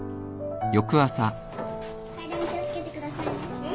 階段気を付けてくださいね。